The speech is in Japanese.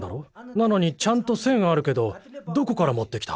なのにちゃんと１，０００あるけどどこからもってきた？